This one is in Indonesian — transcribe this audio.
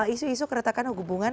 isu isu keretakan hubungan